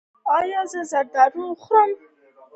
ایا زه زردالو خوړلی شم؟